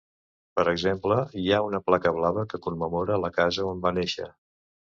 Per exemple, hi ha una placa blava que commemora la casa on va néixer.